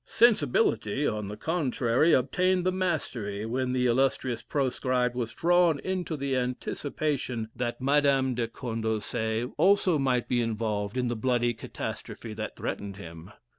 Sensibility, on the contrary, obtained the mastery when the illustrious proscribed was drawn into the anticipation that Madame de Condorcet also might be involved in the bloody catastrophe that threatened him.